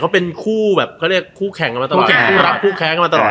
เหมือนเดียวเขาเป็นคู่แข่งกันมาตลอด